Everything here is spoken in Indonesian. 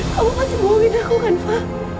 kamu pasti bohongin aku kan fa